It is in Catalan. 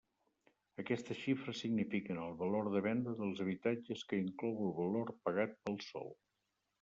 Aquestes xifres signifiquen el valor de venda dels habitatges que inclou el valor pagat pel sòl.